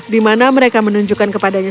dimana mereka menunjukkan kepadanya